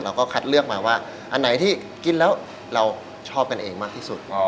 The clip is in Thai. คัดเลือกมาว่าอันไหนที่กินแล้วเราชอบกันเองมากที่สุด